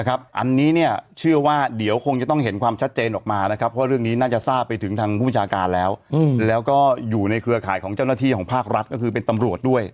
อันนี้เชื่อว่าเดี๋ยวคงจะต้องเห็นความชัดเจนออกมานะครับเพราะเรื่องนี้น่าจะทราบไปถึงทางผู้บัญชาการแล้วแล้วก็อยู่ในเครือข่ายของเจ้าหน้าที่ของภาครัฐก็คือเป็นตำรวจด้วย